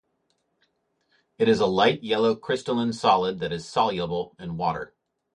It is a light yellow crystalline solid that is soluble in water.